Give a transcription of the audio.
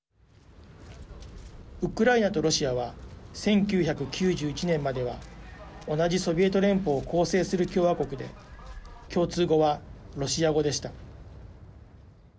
ウクライナとロシアは１９９１年までは同じソビエト連邦を構成する共和国で共通語はロシア語でした。